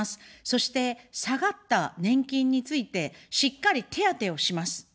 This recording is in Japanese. そして、下がった年金についてしっかり手当をします。